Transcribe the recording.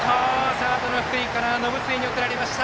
サードの福井から延末に送られました。